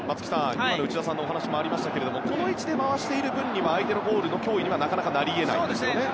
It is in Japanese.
今の内田さんのお話にもありましたが低い位置で回している分には相手のゴールへの脅威にはなかなか、なり得ないんですね。